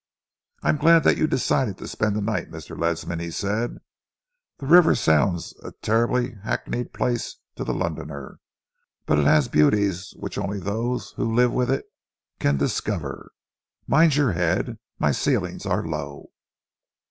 "I am glad that you decided to spend the night, Mr. Ledsam," he said. "The river sounds a terribly hackneyed place to the Londoner, but it has beauties which only those who live with it can discover. Mind your head. My ceilings are low."